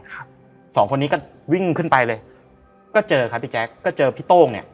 สองคนนี้ก็วิ่งขึ้นไปเลยก็เจอครับพี่แจ๊คก็เจอพี่โต้งเนี้ย